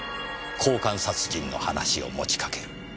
交換殺人の話を持ちかける。